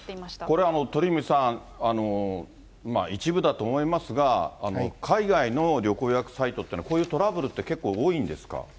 これ、鳥海さん、一部だと思いますが、海外の旅行予約サイトっていうのは、こういうトラブルって結構多いんですか？